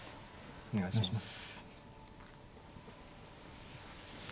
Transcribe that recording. お願いします。